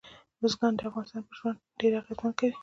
بزګان د افغانانو پر ژوند ډېر اغېزمن کوي.